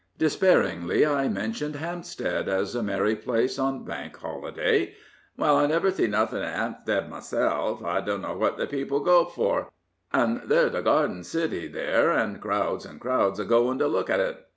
Despairingly I mentioned Hampstead as a merry place on Bank Holiday. " Well, I never see nothin' in 'Ampstead myself. I dunno what the people go for. And there's the Garden City there, and crowds and crowds a going to look at it.